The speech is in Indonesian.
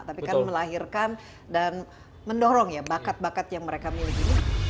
tapi kan melahirkan dan mendorong ya bakat bakat yang mereka miliki